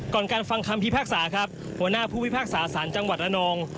ก่อนการฟังคำพิพากษาครับหัวหน้าผู้พิพากษาสารจังหวัดระนอง